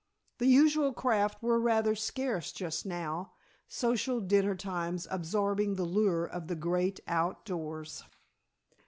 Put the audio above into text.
The usual craft were rather scarce just now, social dinner times absorbing the lure of the great Out Doors.